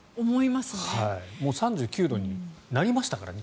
３９度になりましたからね